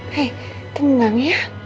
hei tenang ya